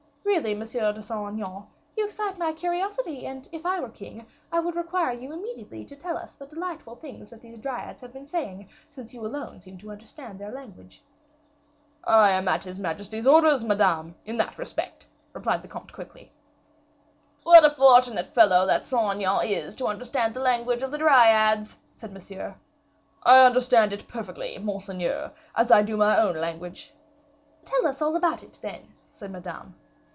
"Really, Monsieur de Saint Aignan, you excite my curiosity; and, if I were the king, I would require you immediately to tell us what the delightful things are these Dryads have been saying, since you alone seem to understand their language." "I am at his majesty's orders, Madame, in that respect," replied the comte, quickly. "What a fortunate fellow this Saint Aignan is to understand the language of the Dryads," said Monsieur. "I understand it perfectly, monseigneur, as I do my own language." "Tell us all about them, then," said Madame.